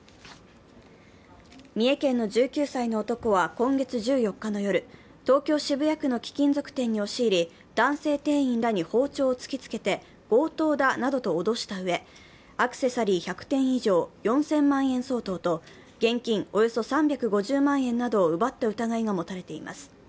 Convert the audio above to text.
三重県の１９歳の男は今月１４日の夜、東京・渋谷区の貴金属店に押し入り男性店員らに包丁を突きつけて強盗だなどと脅したうえアクセサリー１００点以上、４０００万円相当と現金およそ３５０万円などを奪った疑いが持たれています。